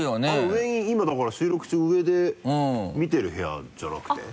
上に今だから収録中上で見てる部屋じゃなくて？